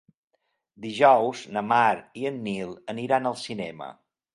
Dijous na Mar i en Nil aniran al cinema.